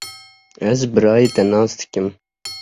Ez birayê te nas dikim.